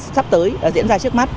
sắp tới diễn ra trước mắt